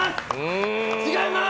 違います！